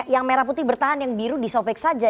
yang merah putih bertahan yang biru disobek saja